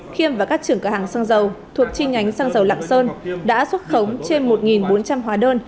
khiêm và các trưởng cửa hàng xăng dầu thuộc chi nhánh xăng dầu lạng sơn đã xuất khống trên một bốn trăm linh hóa đơn